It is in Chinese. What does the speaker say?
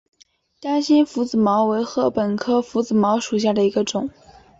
单蕊拂子茅为禾本科拂子茅属下的一个种。